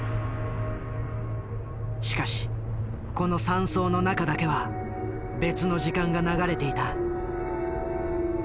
しかしこの山荘の中だけは別の時間が流れていた。